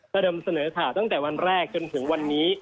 เริ่มเสนอข่าวตั้งแต่วันแรกจนถึงวันนี้